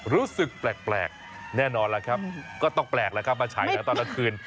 รู้สึกแปลกแน่นอนล่ะครับก็ต้องแปลกแล้วครับมาฉายนะตอนกลางคืน